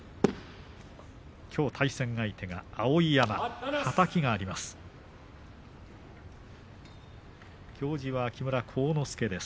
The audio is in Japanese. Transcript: きょう対戦相手が碧山はたきがあります。